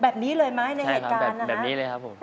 แบบนี้เลยไหมในเหตุการณ์นะฮะใช่ครับแบบนี้เลยครับผม